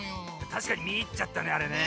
たしかにみいちゃったねあれね。